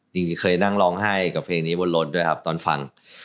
ดีเคยนั่งร้องไห้กับเพลงนี้บนรถด้วยครับตอนฟัง